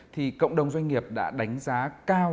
thì cộng đồng doanh nghiệp đã đánh giá cao